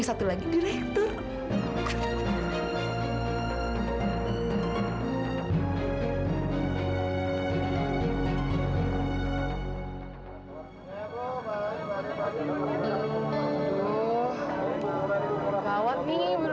bila pernah terbersih dalam benah kakek